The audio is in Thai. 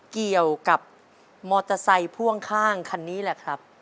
เกี่ยวกับมอเตอร์ไซค์พ่วงข้างคันนี้แหละครับ